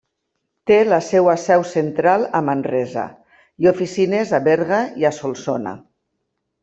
Té la seva seu central a Manresa i oficines a Berga i a Solsona.